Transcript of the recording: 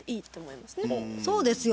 そうですよ。